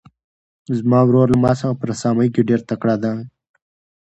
زما ورور له ما څخه په رسامۍ کې ډېر تکړه دی.